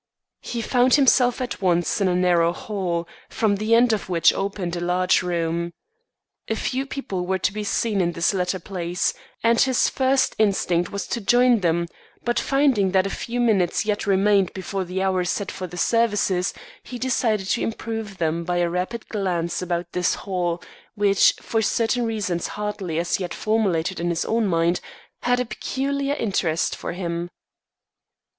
He found himself at once in a narrow hall, from the end of which opened a large room. A few people were to be seen in this latter place, and his first instinct was to join them; but finding that a few minutes yet remained before the hour set for the services, he decided to improve them by a rapid glance about this hall, which, for certain reasons hardly as yet formulated in his own mind, had a peculiar interest for him.